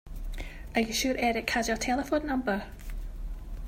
Are you sure Erik has our telephone number?